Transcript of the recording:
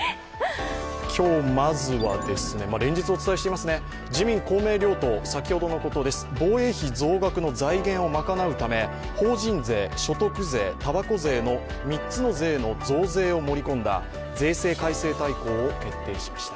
今日、まずは、連日お伝えしていますね、自民・公明両党、先ほど、防衛費増額の財源を賄うため法人税、所得税、たばこ税の３つの税の増税を盛り込んだ税制改正大綱を決定しました。